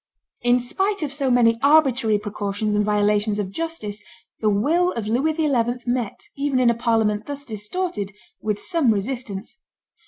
In spite of so many arbitrary precautions and violations of justice, the will of Louis XI. met, even in a parliament thus distorted, with some resistance.